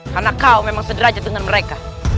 karena kau memang sederhaja dengan mereka